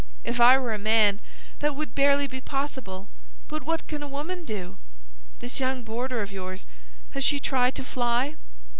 If I were a man, that would barely be possible; but what can a woman do? This young boarder of yours, has she tried to fly?"